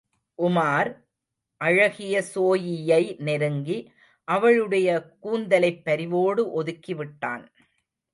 உமார், அழகி ஸோயியை நெருங்கி அவளுடைய கூந்தலைப் பரிவோடு ஒதுக்கிவிட்டான்.